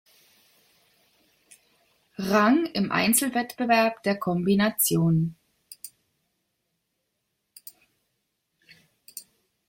Rang im Einzelwettbewerb der Kombination.